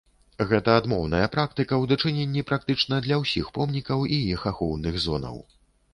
Гэта адмоўная практыка ў дачыненні практычна для ўсіх помнікаў і іх ахоўных зонаў.